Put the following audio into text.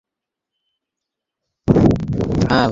সোনা, তুমি এখানে বাবা-মার সঙ্গে থাকো।